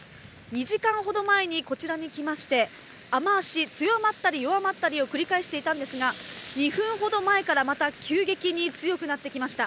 ２時間ほど前にこちらに来まして、雨足、強まったり弱まったりを繰り返していたんですが、２分ほど前から、また急激に強くなってきました。